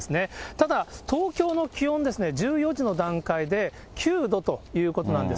ただ、東京の気温、１４時の段階で９度ということなんです。